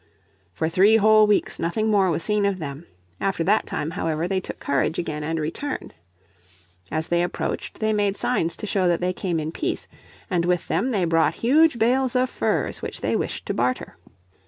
For three whole weeks nothing more was seen of them, after that time however they took courage again and returned. As they approached they made signs to show that they came in peace, and with them they brought huge bales of furs which they wished to barter.